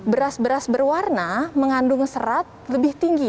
beras beras berwarna mengandung serat lebih tinggi